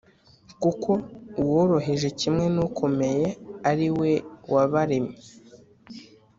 kuko uworoheje kimwe n’ukomeye ari we wabaremye,